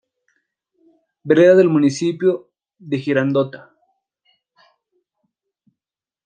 Vereda del Municipio de Girardota